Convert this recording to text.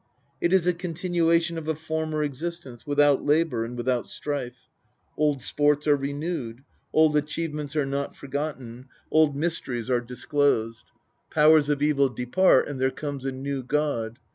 It is a con tinuation of a former existence, without labour and without strife; old sports are renewed, old achievements are not forgotten, old mysteries are disclosed. Powers of evil depart, and there comes a new god.